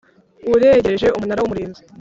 uregereje Umunara w Umurinzi